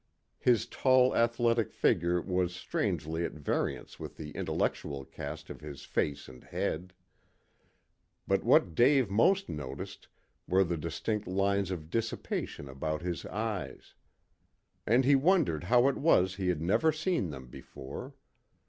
His tall athletic figure was strangely at variance with the intellectual cast of his face and head. But what Dave most noticed were the distinct lines of dissipation about his eyes. And he wondered how it was he had never seen them before.